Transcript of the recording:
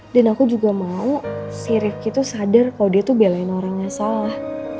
dan aku juga mau si rifki tuh sadar kalo dia tuh belain orangnya salah